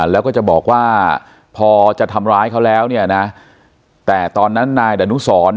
แล้วก็จะบอกว่าพอจะทำร้ายเขาแล้วเนี่ยนะแต่ตอนนั้นนายดานุสร